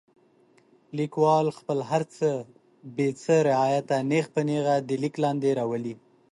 لیکوال خپل هر څه بې څه رعایته نیغ په نیغه د لیک لاندې راولي.